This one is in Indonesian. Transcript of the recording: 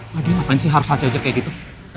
padahal ngapain sih harus aja aja kayak gitu